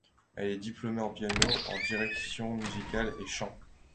Elle est diplômée en piano, en direction musicale et chant.